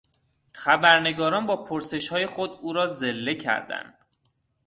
خبرنگاران با پرسشهای خود او را ذله کردند.